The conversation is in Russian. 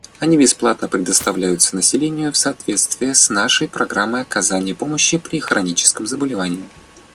Они бесплатно предоставляются населению в соответствии с нашей программой оказания помощи при хроническом заболевании.